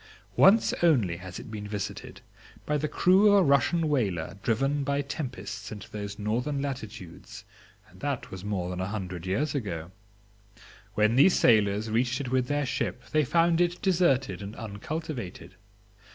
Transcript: Once only has it been visited, by the crew of a Russian whaler driven by tempests into those northern latitudes, and that was more than a hundred years ago. When these sailors, reached it with their ship they found it deserted and uncultivated.